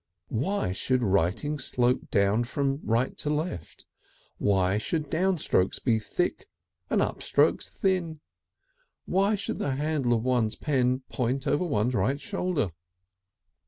Why should writing slope down from right to left? Why should downstrokes be thick and upstrokes thin? Why should the handle of one's pen point over one's right shoulder?